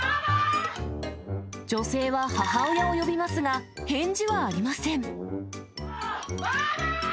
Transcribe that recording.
女性は母親を呼びますが、返事はありません。